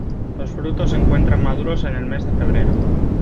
Los frutos se encuentran maduros en el mes de febrero.